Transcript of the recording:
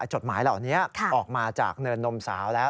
จดหมายเหล่านี้ออกมาจากเนินนมสาวแล้ว